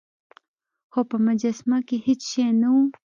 خو په مجسمه کې هیڅ شی نه و.